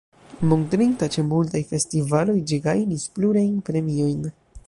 Montrita ĉe multaj festivaloj ĝi gajnis plurajn premiojn.